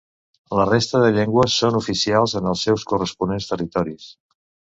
La resta de llengües són oficials en els seus corresponents territoris.